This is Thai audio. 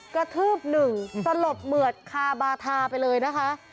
กระทืบหนึ่งสลบเหมือดคาบาทาไปเลยนะคะ